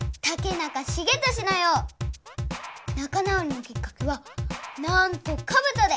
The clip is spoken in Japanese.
なか直りのきっかけはなんとかぶとで！